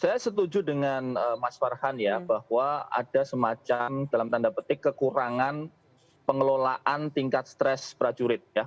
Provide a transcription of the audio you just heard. saya setuju dengan mas farhan ya bahwa ada semacam dalam tanda petik kekurangan pengelolaan tingkat stres prajurit ya